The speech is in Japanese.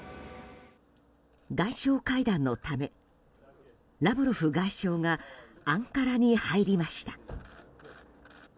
外相会談のため、ラブロフ外相がアンカラに入りました。